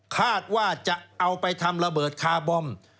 คาดว่าจะเอาไปทำระเบิดคาร์บอม